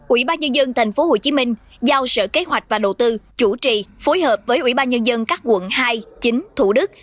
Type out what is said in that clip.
ủy ban nhân dân tp hcm giao sở kế hoạch và đầu tư chủ trì phối hợp với ủy ban nhân dân các quận hai chín thủ đức